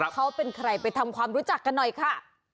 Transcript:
เขาเป็นใครไปทำความรู้จักกันหน่อยค่ะ